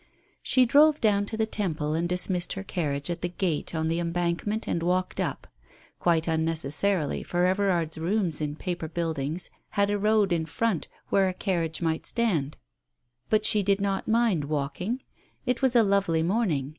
She drove down to the Temple and dismissed her carriage at the gate on the Embankment, and walked up, quite unnecessarily, for Everard's rooms in Paper Build ings had a road in front where a carriage might stand. But she did not mind walking. It was a lovely morning.